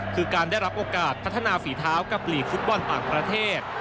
คือการได้รับโอกาสพัฒนาฝีเท้ากับหลีกฟุตบอลต่างประเทศ